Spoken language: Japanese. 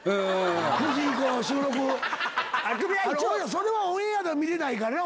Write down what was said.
それはオンエアで見れないからな